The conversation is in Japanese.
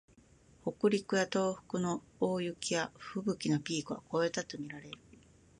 北陸や東北の大雪やふぶきのピークは越えたとみられる